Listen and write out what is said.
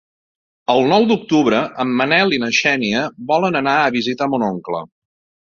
El nou d'octubre en Manel i na Xènia volen anar a visitar mon oncle.